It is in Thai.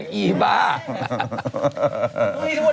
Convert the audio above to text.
ใช่หรอ